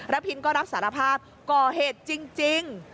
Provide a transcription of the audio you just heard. พินก็รับสารภาพก่อเหตุจริง